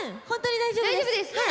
本当に大丈夫です。